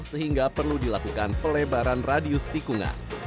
sehingga perlu dilakukan pelebaran radius tikungan